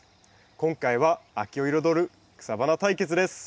今回は秋を彩る草花対決です。